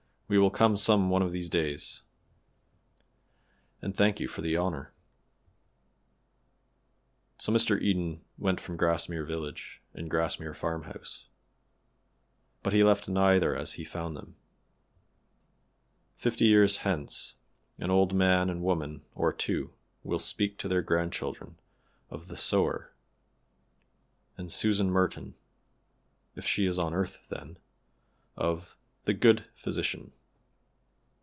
we will come some one of these days, and thank you for the honor." So Mr. Eden went from Grassmere village and Grassmere farmhouse but he left neither as he found them; fifty years hence an old man and woman or two will speak to their grandchildren of the "Sower," and Susan Merton (if she is on earth then) of "the good Physician."